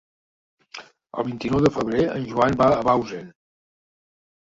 El vint-i-nou de febrer en Joan va a Bausen.